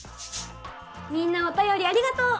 みんなおたよりありがとう！